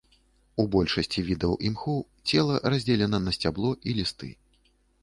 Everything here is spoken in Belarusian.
У большасці відаў імхоў цела раздзелена на сцябло і лісты.